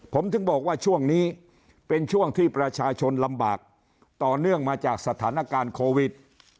ผมถึงบอกว่าช่วงนี้เป็นช่วงที่ประชาชนลำบากต่อเนื่องมาจากสถานการณ์โควิด